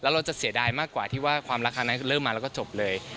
เราจะเสียดายมากกว่าที่ว่าความรักครั้งนั้นเริ่มมาแล้วก็จบเลย